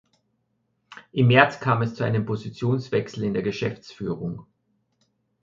Im März kam es zu einem Positionswechsel in der Geschäftsführung.